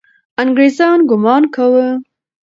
انګریزان ګمان کاوه.